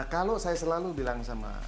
kalau saya selalu bilang sama